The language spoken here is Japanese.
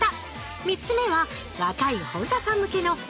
３つ目は若い本田さん向けの「先取りコース」